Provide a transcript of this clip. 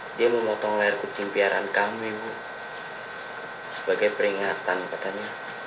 hai dia memotong leher kucing piaran kami sebagai peringatan katanya